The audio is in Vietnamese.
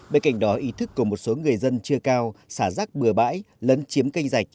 bên cạnh đó ý thức của một số người dân chưa cao xả rác bừa bãi lấn chiếm canh rạch